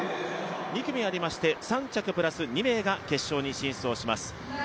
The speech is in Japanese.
２組ありまして３着プラス２名が決勝に進出します。